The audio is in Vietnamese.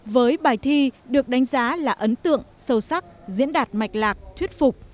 với bài thi được đánh giá là ấn tượng sâu sắc diễn đạt mạch lạc thuyết phục